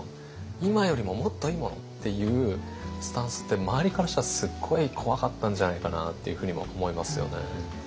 今よりももっといいものっていうスタンスって周りからしたらすっごい怖かったんじゃないかなっていうふうにも思いますよね。